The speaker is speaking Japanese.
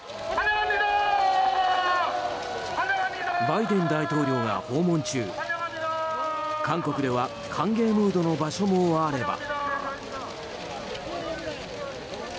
バイデン大統領が訪問中韓国では歓迎ムードの場所もあれば。